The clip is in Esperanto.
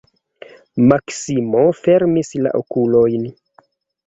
Maksimo fermis la okulojn.